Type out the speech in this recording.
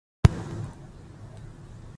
د ده هڅې د ستاینې وړ دي.